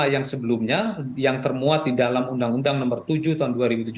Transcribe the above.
yang sebelumnya yang termuat di dalam undang undang nomor tujuh tahun dua ribu tujuh belas